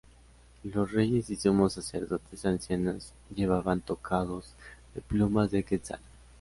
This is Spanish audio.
Los reyes y sumos sacerdotes ancianos llevaban tocados de plumas de quetzal.